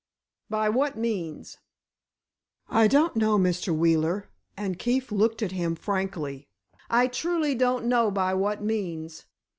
"By what means?" "I don't know, Mr. Wheeler," and Keefe looked at him frankly. "I truly don't know by what means.